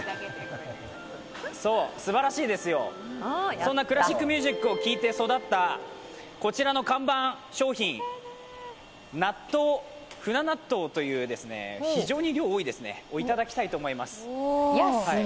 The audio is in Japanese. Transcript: そんなクラシックミュージックを聴いて育ったこちらの看板商品、舟納豆という非常に量が多いですね、それをいただきたいと思います。